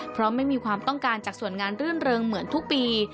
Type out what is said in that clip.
เพราะไม่มีความต้องการจากส่วนงานรื่นเริงเหมือนทุกปี